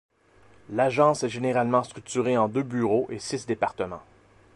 L'agence est généralement structurée en deux bureaux et six départements.